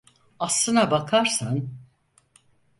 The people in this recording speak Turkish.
Aslına bakarsan…